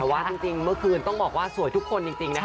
แต่ว่าจริงเมื่อคืนต้องบอกว่าสวยทุกคนจริงนะคะ